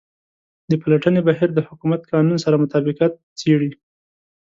د پلټنې بهیر د حکومت قانون سره مطابقت څیړي.